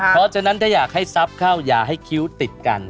เพราะฉะนั้นถ้าอยากให้ซับเข้าอย่าให้คิ้วติดกัน